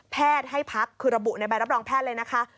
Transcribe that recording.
ให้พักคือระบุในใบรับรองแพทย์เลยนะคะ